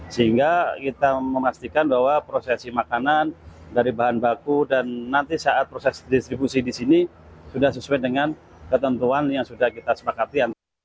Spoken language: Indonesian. sehingga kita memastikan bahwa prosesi makanan dari bahan baku dan nanti saat proses distribusi di sini sudah sesuai dengan ketentuan yang sudah kita sepakati